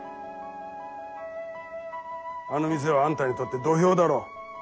あの店はあんたにとって土俵だろ。